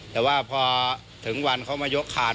แต่ว่าพอถึงวันเขามายกคาน